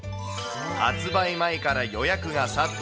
発売前から予約が殺到。